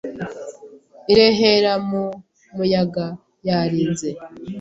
irehera mu muyaga yarinze